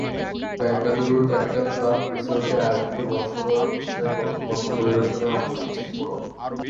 বেঙ্গালুরুর capital club রিসোর্টে আয়োজিত বর্ষবরণ অনুষ্ঠানে প্রথম মঞ্চ পরিবেশনায় অংশ নিচ্ছেন পুনম।